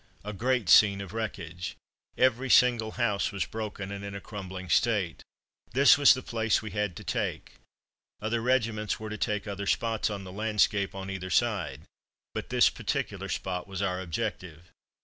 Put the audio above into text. A great scene of wreckage. Every single house was broken, and in a crumbling state. This was the place we had to take. Other regiments were to take other spots on the landscape on either side, but this particular spot was our objective.